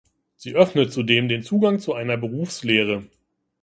Sie öffnet zudem den Zugang zu einer Berufslehre.